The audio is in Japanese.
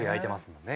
もんね